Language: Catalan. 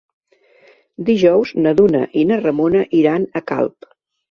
Dijous na Duna i na Ramona iran a Calp.